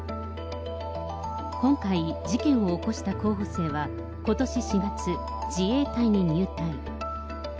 今回事件を起こした候補生は、ことし４月、自衛隊に入隊。